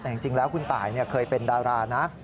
แต่จริงแล้วคุณตายเคยเป็นดารานะ